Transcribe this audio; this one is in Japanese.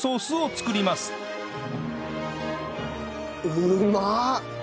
うまっ！